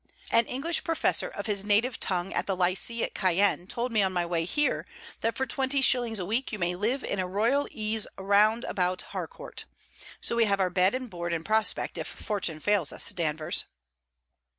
An English professor of his native tongue at the Lycee at Caen told me on my way here that for twenty shillings a week you may live in royal ease round about Harcourt. So we have our bed and board in prospect if fortune fails us, Danvers!